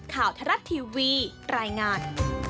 ข่าวทรัศน์ทีวีรายงาน